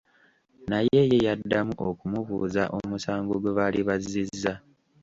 Naye ye yaddamu okumubuuza omusango gwe baali bazzizza.